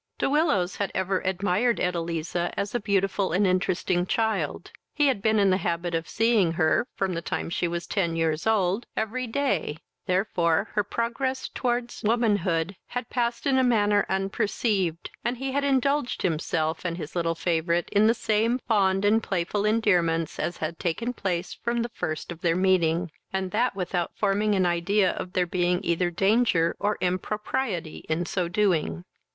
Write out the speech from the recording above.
De Willows had ever admired Edeliza as a beautiful and interesting child; he had been in the habit of seeing her, from the time she was ten years old, every day; therefore her progress towards womanhood had passed in a manner unperceived, and he had indulged himself and his little favourite in the same fond and playful endearments as had taken place from the first of their meeting, and that without forming an idea of there being either danger or impropriety in so doing.